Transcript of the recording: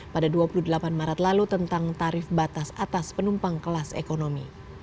pada dua puluh delapan maret lalu tentang tarif batas atas penumpang kelas ekonomi